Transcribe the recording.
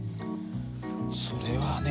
それはね